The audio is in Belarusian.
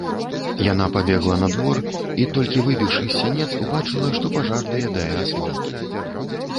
Яна пабегла на двор і, толькі выбегшы з сянец, убачыла, што пажар даядае асмалкі.